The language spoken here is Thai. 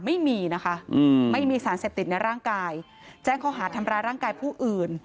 ไม่มีนะคะไม่มีสารเสพติดในร่างกายแจ้งข้อหาทำร้ายร่างกายผู้อื่น